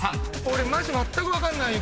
俺まったく分かんない。